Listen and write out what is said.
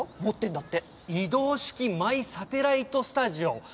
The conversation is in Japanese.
持ってんだって移動式マイサテライトスタジオ？